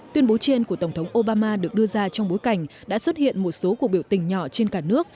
tuyên bố trên của tổng thống obama được đưa ra trong bối cảnh đã xuất hiện một số cuộc biểu tình nhỏ trên cả nước